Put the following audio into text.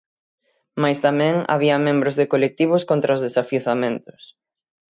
Mais tamén había membros de colectivos contra os desafiuzamentos.